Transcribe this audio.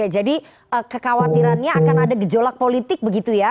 jadi kekhawatirannya akan ada gejolak politik begitu ya